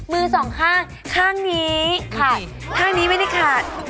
มือ๒ค่ะข้างนี้ข้างนี้ไม่ได้ขัด